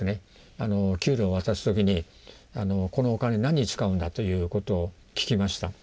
給料を渡す時に「このお金何に使うんだ？」ということを聞きました。